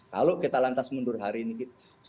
kalau kita lantas mundur hari ini saya tahu saya tahu